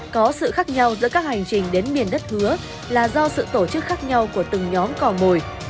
có sự khác nhau giữa các hành trình đến miền đất hứa là do sự tổ chức khác nhau của từng nhóm cò mồi